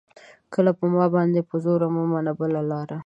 ګله ! په ما باندې په زور مه منه بله لاره